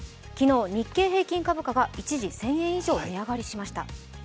昨日日経平均株価が一時、１０００円以上上がりました。